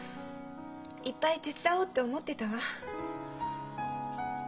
いっぱい手伝おうって思ってたわ。